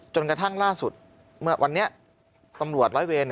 จนกระทั่งล่าสุดเมื่อวันนี้ตำรวจร้อยเวร